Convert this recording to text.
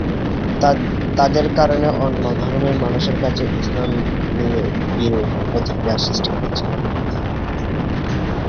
তাদের কারণে অন্য ধর্মের মানুষের কাছে ইসলাম নিয়ে বিরূপ প্রতিক্রিয়ার সৃষ্টি হয়েছে।